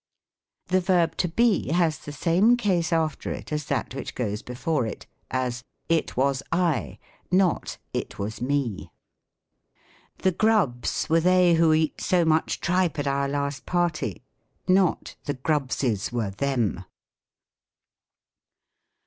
The verb To Be has the same case after it as that which goes before it : as, "//! was i," not " It was me" " The Grubhs were they who eat so much tripe at our last party;" not "The Gruhhses were them."